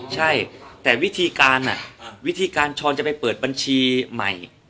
ใช่แต่วิธีการวิธีการช้อนจะไปเปิดบัญชีใหม่